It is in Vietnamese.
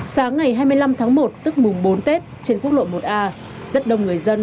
sáng ngày hai mươi năm tháng một tức mùng bốn tết trên quốc lộ một a rất đông người dân